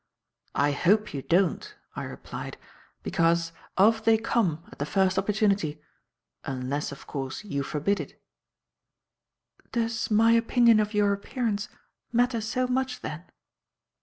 "I hope you don't," I replied, "because, off they come at the first opportunity unless, of course, you forbid it." "Does my opinion of your appearance matter so much then?"